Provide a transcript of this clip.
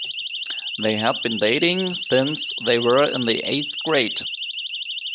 They had been dating since they were in the eighth grade.